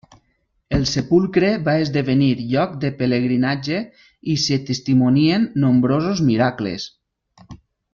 El sepulcre va esdevenir lloc de pelegrinatge i s'hi testimonien nombrosos miracles.